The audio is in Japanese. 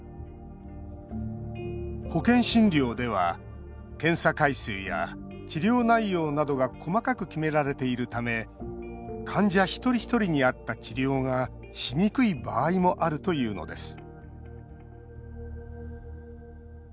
保険診療では検査回数や治療内容などが細かく決められているため患者一人一人に合った治療がしにくい場合もあるというのです